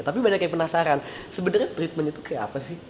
tapi banyak yang penasaran sebenarnya treatment itu kayak apa sih